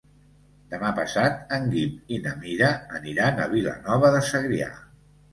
Demà passat en Guim i na Mira aniran a Vilanova de Segrià.